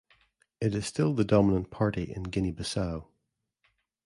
It is still the dominant party in Guinea-Bissau.